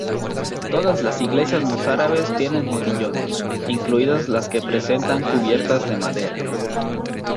Todas las iglesias mozárabes tienen modillones, incluidas las que presentan cubiertas de madera.